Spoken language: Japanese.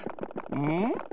うん？